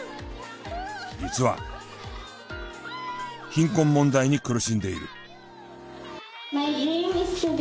実は貧困問題に苦しんでいる。